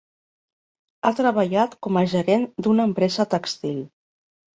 Ha treballat com a gerent d'una empresa tèxtil.